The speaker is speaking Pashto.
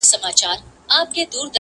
نسته څوک د رنځ طبیب نه د چا د زړه حبیب٫